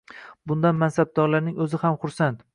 Bundan mansabdorlarning o‘zi ham xursand.